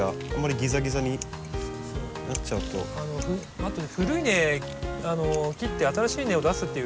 あと古い根切って新しい根を出すっていう